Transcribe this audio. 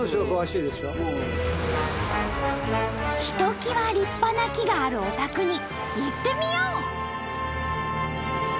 ひときわ立派な木があるお宅に行ってみよう！